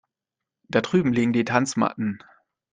Da drüben liegen die Tanzmatten.